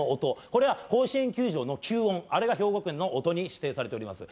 これは甲子園球場の球音あれが兵庫県の音に指定されております。